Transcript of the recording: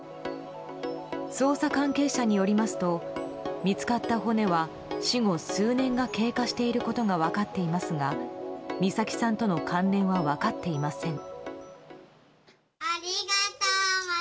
捜査関係者によりますと見つかった骨は死後数年が経過していることが分かっていますが美咲さんとの関連は分かっていません。